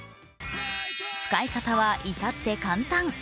使い方は至って簡単。